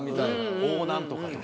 「大何とか」とか。